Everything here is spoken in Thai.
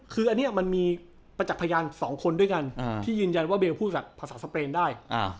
คืออันนี้มันมีประจักษ์พยาน๒คนด้วยกันที่ยืนยันว่าเบลพูดจากภาษาสเปนได้